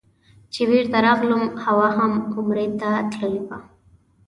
چې بېرته راغلم حوا هم عمرې ته تللې وه.